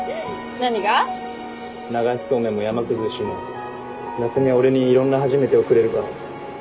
流しそうめんも山崩しも夏海は俺にいろんな初めてをくれるから。